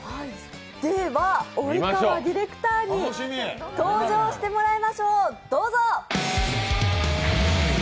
では及川ディレクターに登場してもらいましょう。